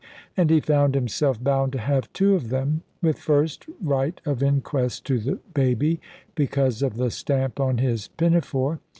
And he found himself bound to have two of them, with first right of inquest to the baby because of the stamp on his pinafore.